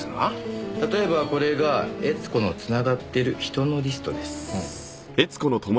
例えばこれが悦子の繋がってる人のリストです。